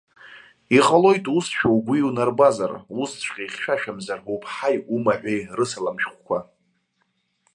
Иҟалоит, усшәа угәы иунарбазар, усҵәҟьа ихьшәашәамзар уԥҳаи умаҳәи рысалам шәҟәқәа.